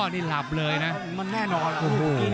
ปลายเท้าโหโห